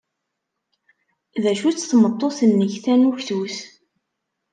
D acu-tt tmeṭṭut-nnek tanuktut?